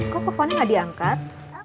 kok keponnya gak diangkat